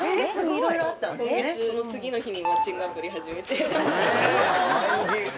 次の日にマッチングアプリ始めて。